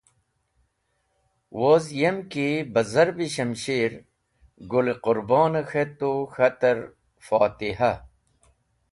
Woz yem ki beh zarb-e shamshir Gũl-e Qũrboni k̃htu k̃hater fotiha.